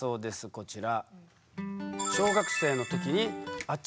こちら。